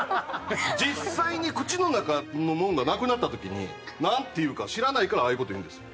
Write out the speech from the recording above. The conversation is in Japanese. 実際に口の中のものがなくなった時になんて言うか知らないからああいう事言うんです。